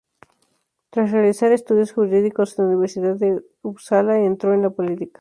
Tras realizar estudios jurídicos en la Universidad de Upsala, entró en la política.